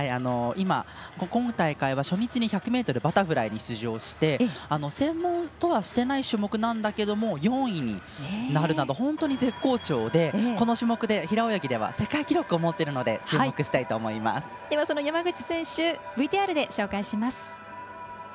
今大会は初日に１００ｍバタフライに出場して専門とはしていない種目なんだけれども４位になるなど本当に絶好調でこの種目で平泳ぎでは世界記録を持っているので山口選手、ＶＴＲで紹介します。